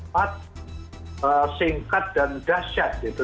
juga singkat dan dahsyat gitu